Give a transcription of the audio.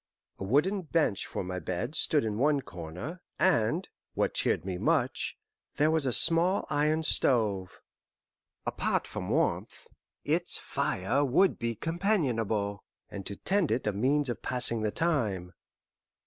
A wooden bench for my bed stood in one corner, and, what cheered me much, there was a small iron stove. Apart from warmth, its fire would be companionable, and to tend it a means of passing the time.